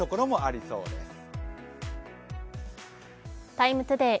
「ＴＩＭＥ，ＴＯＤＡＹ」